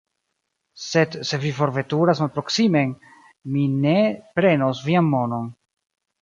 Sed se vi forveturas malproksimen, mi ne prenos vian monon.